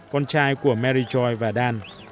con trai của mary joy và dan